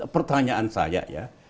pertanyaan saya ya